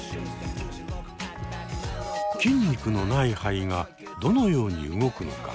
筋肉のない肺がどのように動くのか？